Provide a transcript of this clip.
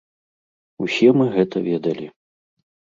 Усе мы гэта ведалі.